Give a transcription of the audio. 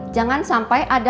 jangan sampai ada